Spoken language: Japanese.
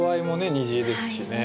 虹ですしね。